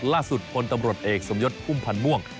ล่าสุดพลตำรวจเอกสมยศพุ่มพันธ์ม่วง